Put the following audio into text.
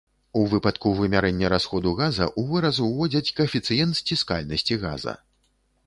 У выпадку вымярэння расходу газа ў выраз уводзяць каэфіцыент сціскальнасці газа.